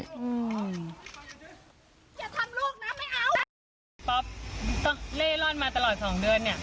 ป๊อปเล่ร่อนมาตลอด๒เดือน